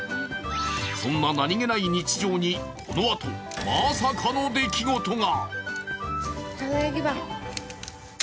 そんな何気ない日常に、このあとまさかの出来事が。